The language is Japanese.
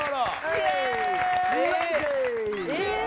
イエーイ！